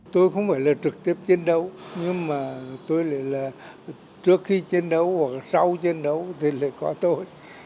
tôi không phải là trực tiếp chiến đấu nhưng mà tôi lại là trước khi chiến đấu hoặc sau chiến đấu thì lại có tôi